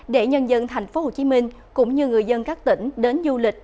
để nhân dân tp hcm cũng như người dân các tỉnh đến du lịch